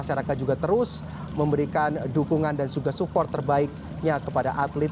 di tahun dua ribu untuk ganda putra